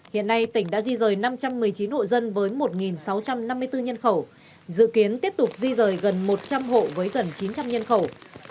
hiện nay tỉnh đã di rời năm trăm một mươi chín hộ dân với một sáu trăm năm mươi bốn nhân khẩu dự kiến tiếp tục di rời gần một trăm linh hộ với gần chín trăm linh nhân khẩu